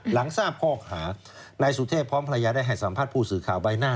หลังทราบข้อหานายสุเทพพร้อมภรรยาได้ให้สัมภาษณ์ผู้สื่อข่าวใบหน้า